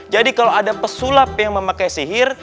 jadi kalau ada pesulap yang memakai sihir